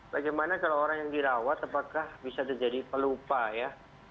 bagaimana kalau orang yang dirawat apakah bisa terjadi pelupa ya